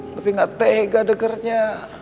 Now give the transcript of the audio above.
tapi gak tega degernya